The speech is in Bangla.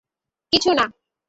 কিছু না।